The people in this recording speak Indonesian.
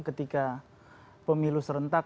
ketika pemilu serentak